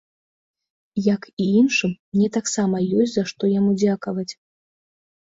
Як і іншым, мне таксама ёсць за што яму дзякаваць.